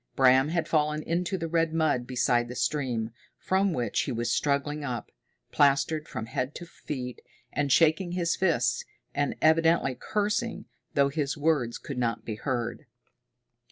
Bram had fallen into the red mud beside the stream, from which he was struggling up, plastered from head to feet, and shaking his fists and evidently cursing, though his words could not be heard.